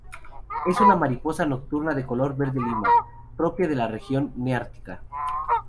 Es una mariposa nocturna de color verde lima, propia de la región Neártica.